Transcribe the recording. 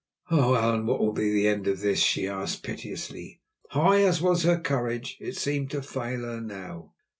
"Oh! Allan, what will be the end of this?" she asked piteously. High as was her courage it seemed to fail her now.